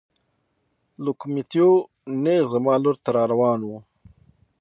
لوکوموتیو نېغ زما لور ته را روان و.